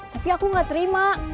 tapi aku gak terima